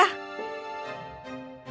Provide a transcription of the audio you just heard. oh tentu saja